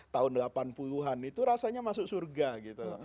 tahun delapan puluh an itu rasanya masuk surga gitu loh